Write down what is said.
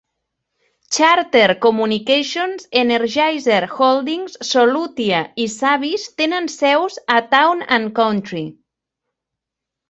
"Charter Communications", "Energizer Holdings", "Solutia" i "Savvis" tenen seus a "Town and Country".